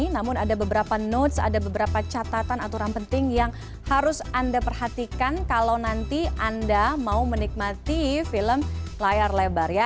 namun ada beberapa notes ada beberapa catatan aturan penting yang harus anda perhatikan kalau nanti anda mau menikmati film layar lebar ya